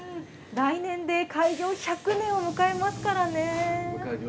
来年で開業１００年を迎えますからね。